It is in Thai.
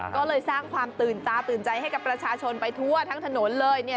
ก็เลยสร้างความตื่นตาตื่นใจให้กับประชาชนไปทั่วทั้งถนนเลยเนี่ย